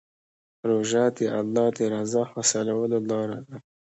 روژه د الله د رضا حاصلولو لاره ده.